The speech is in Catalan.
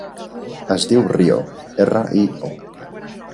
Es diu Rio: erra, i, o.